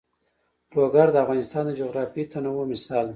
لوگر د افغانستان د جغرافیوي تنوع مثال دی.